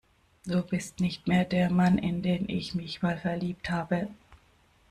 Du bist nicht mehr der Mann, in den ich mich mal verliebt habe.